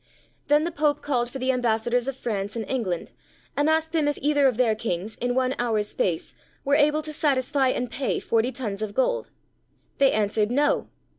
Then the Pope called for the Ambassadors of France and England, and asked them if either of their Kings, in one hour's space, were able to satisfy and pay forty tons of gold. They answered, "No."